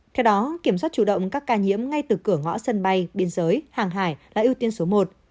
theo đó kiểm soát chủ động các ca nhiễm ngay từ cửa ngõ sân bay biên giới hàng hải là ưu tiên số một